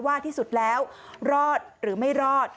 ว่าที่สุดแล้วรอดหรือไม่รอด